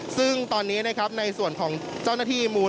ซึ่งตอนนี้นะครับในส่วนของเจ้าหน้าที่มูล